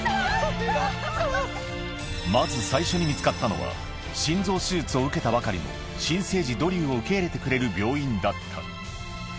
まず最初に見つかったのは、心臓手術を受けたばかりの新生児、ドリューを受け入れてくれる病院だった。